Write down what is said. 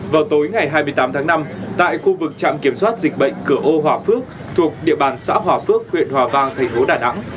vào tối ngày hai mươi tám tháng năm tại khu vực trạm kiểm soát dịch bệnh cửa âu hòa phước thuộc địa bàn xã hòa phước huyện hòa vang thành phố đà nẵng